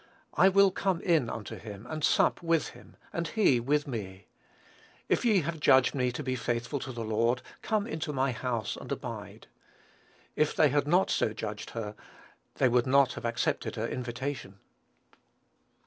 "I will come in unto him, and sup with him, and he with me." "If ye have judged me to be faithful to the Lord, come into my house and abide." If they had not so judged her, they would not have accepted her invitation.